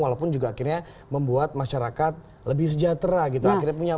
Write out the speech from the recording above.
walaupun juga akhirnya membuat masyarakat lebih sejahtera gitu akhirnya punya